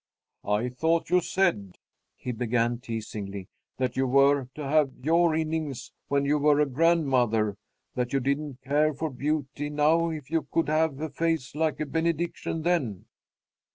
"I thought you said," he began, teasingly, "that you were to have your innings when you were a grandmother; that you didn't care for beauty now if you could have a face like a benediction then."